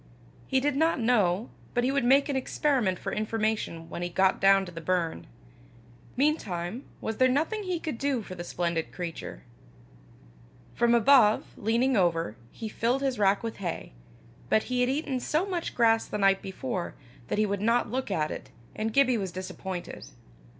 He did not know, but he would make an experiment for information when he got down to the burn. Meantime was there nothing he could do for the splendid creature? From above, leaning over, he filled his rack with hay; but he had eaten so much grass the night before, that he would not look at it, and Gibbie was disappointed.